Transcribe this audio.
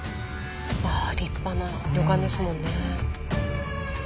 ああ立派な旅館ですもんね。